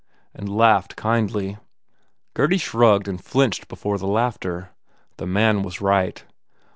and laughed kindly. Gurdy shrugged and flinched before the laughter. The man was right.